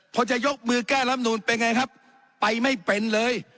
พอจะยกมือแก้ลำนูนเป็นไงครับไปไม่เป็นเลย